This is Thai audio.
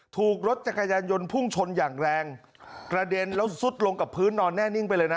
ถูกรถจักรยานยนต์พุ่งชนอย่างแรงกระเด็นแล้วซุดลงกับพื้นนอนแน่นิ่งไปเลยนะ